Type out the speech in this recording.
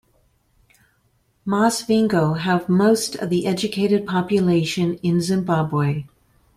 Masvingo have most of the educated population in Zimbabwe.